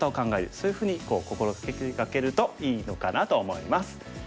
そういうふうに心掛けるといいのかなと思います。